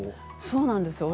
そうなんですよ。